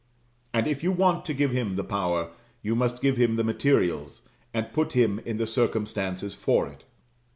And if you want to give him the power, you must give him the materials, and put him in the circumstances for it.